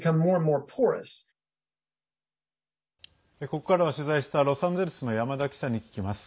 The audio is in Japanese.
ここからは取材したロサンゼルスの山田記者に聞きます。